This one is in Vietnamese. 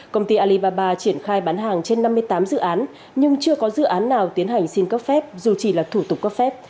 công ty alibaba triển khai bán hàng trên năm mươi tám dự án nhưng chưa có dự án nào tiến hành xin cấp phép dù chỉ là thủ tục cấp phép